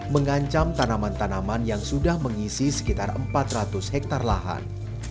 mengancam tanaman tanaman yang sudah mengisi sekitar empat ratus hektare lahan